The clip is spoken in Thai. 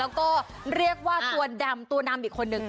แล้วก็เรียกว่าตัวดำตัวดำอีกคนนึง